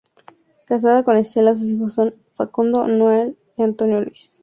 Casado con Estela, sus hijos son Facundo, Nahuel y Antonio Luis.